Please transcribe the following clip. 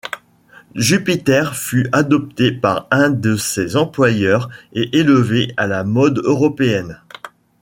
Jupiter fut adopté par un de ses employeurs et élevé à la mode européenne.